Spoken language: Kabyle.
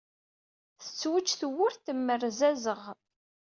Tettweǧǧ tewwurt temmerzazeɣ.